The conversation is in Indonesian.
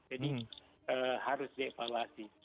jadi harus dievaluasi